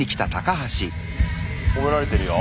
褒められてるよ。